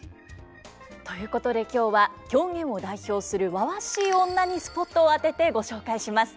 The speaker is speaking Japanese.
ということで今日は狂言を代表するわわしい女にスポットを当ててご紹介します。